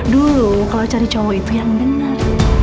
dulu kalau cari cowok itu yang benar